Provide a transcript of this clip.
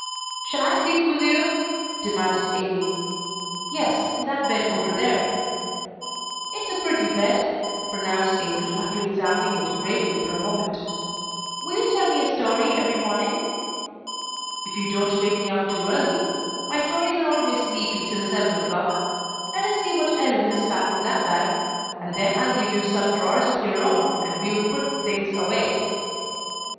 "Shall I sleep with you?" demanded Amy, "Yes, in that bed over there." "It's a pretty bed," pronounced Amy after examining it gravely for a moment. "Will you tell me a story every morning?" [Illustration: "She was having the measles on the back shelf of the closet, you know."] "If you don't wake me up too early. My stories are always sleepy till seven o'clock. Let us see what Ellen has packed in that bag, and then I'll give you some drawers of your own, and we will put the things away."